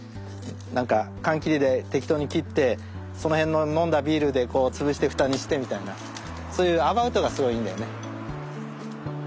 なんか缶切りで適当に切ってその辺の飲んだビールでこう潰して蓋にしてみたいなそういうアバウトがすごいいいんだよね。